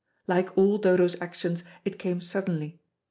Like all Dodo's actions it came suddenly.